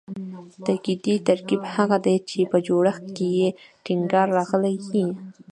تاکیدي ترکیب هغه دﺉ، چي په جوړښت کښي ئې ټینګار راغلی یي.